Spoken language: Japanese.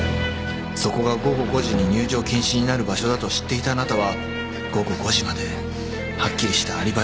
そこは午後５時に入場禁止になる場所だと知っていたあなたは午後５時まではっきりしたアリバイを作っていたんです。